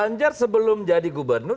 ganjar sebelum jadi gubernur